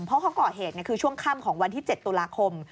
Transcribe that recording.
เพราะเขาก่อเหตุคือช่วงค่ำของวันที่๗ตุลาคม